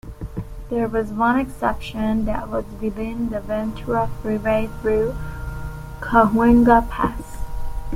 There was one exception that was within the Ventura Freeway through Cahuenga Pass.